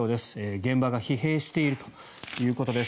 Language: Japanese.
現場が疲弊しているということです。